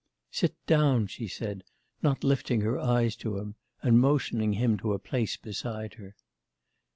'Sit down,' she said, not lifting her eyes to him and motioning him to a place beside her.